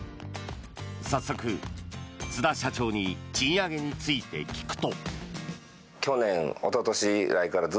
早速、津田社長に賃上げについて聞くと。